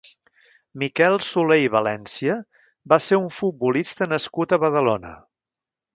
Miquel Soler i València va ser un futbolista nascut a Badalona.